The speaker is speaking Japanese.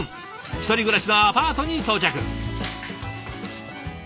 １人暮らしのアパートに到着。